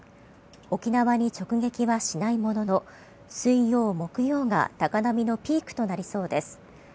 沖縄に直撃はしないものの水曜、木曜が高波のピークとなりそうです。